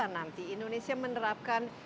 nanti indonesia menerapkan